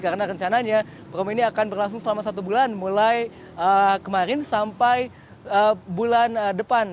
karena rencananya promo ini akan berlangsung selama satu bulan mulai kemarin sampai bulan depan